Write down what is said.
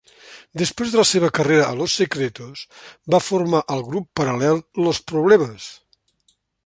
Després de la seva carrera a Los Secretos, va formar el grup paral·lel Los Problemas.